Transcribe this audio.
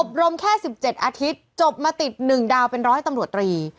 รมแค่๑๗อาทิตย์จบมาติด๑ดาวเป็นร้อยตำรวจตรี